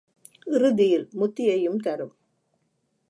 இறுதியில் முத்தியையும் தரும்.